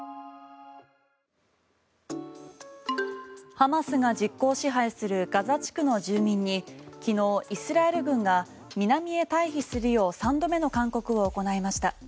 ハマスが実効支配するガザ地区の住民に昨日、イスラエル軍が南へ退避するよう３度目の勧告を行いました。